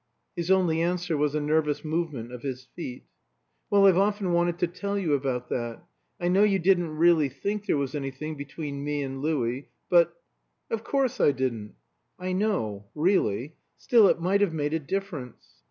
His only answer was a nervous movement of his feet. "Well, I've often wanted to tell you about that. I know you didn't really think there was anything between me and Louis, but " "Of course I didn't." "I know really. Still it might have made a difference.